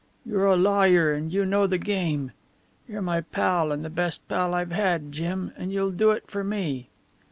You're a lawyer and you know the game. You're my pal and the best pal I've had, Jim, and you'll do it for me."